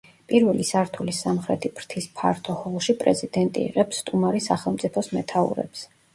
პირველი სართულის სამხრეთი ფრთის ფართო ჰოლში პრეზიდენტი იღებს სტუმარი სახელმწიფოს მეთაურებს.